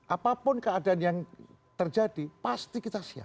apapun keadaan yang terjadi pasti kita siap